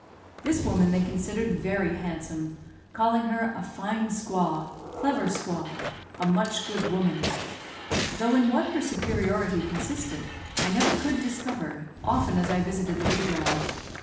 This woman they considered very handsome, calling her "a fine squaw clever squaw a much good woman;" though in what her superiority consisted, I never could discover, often as I visited the wigwam.